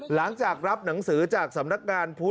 หลังจากรับหนังสือจากสำนักงานพุทธ